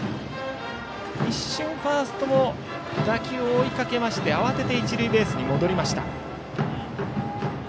一瞬、ファーストも打球を追いかけまして慌てて一塁ベースに戻りました。